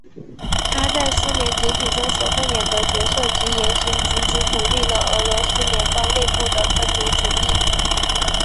他在苏联解体中所扮演的角色及言行举动鼓励了俄罗斯联邦内部的分离主义。